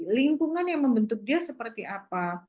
lingkungan yang membentuk dia seperti apa